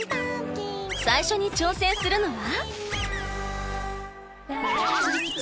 最初に挑戦するのは。